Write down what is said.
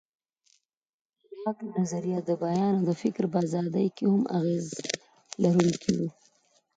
لاک نظریه د بیان او فکر په ازادۍ کې هم اغېز لرونکی و.